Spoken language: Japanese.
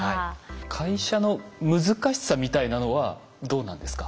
会社の難しさみたいなのはどうなんですか？